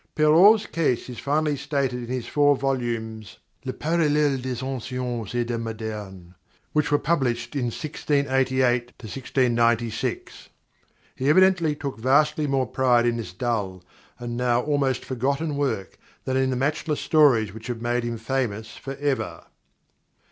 Perrault's case is finally stated in his four volumes, "Le Parallèle des Anciens et des Modernes," which were published in 1688 1696. He evidently took vastly more pride in this dull and now almost forgotten work than in the matchless stories which have made him famous for ever.